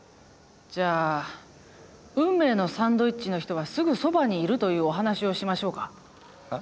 じゃあ運命のサンドイッチの人はすぐそばにいるというお話をしましょうか。